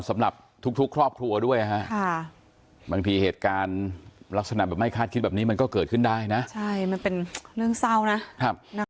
มาเขามานี่เขาอุ้มมานี่เขาเล่นด้วยยิ้มน่ารัก